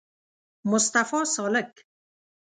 مصطفی سالک